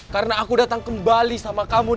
karena aku datang kembali sama kamu